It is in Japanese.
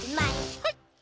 はい。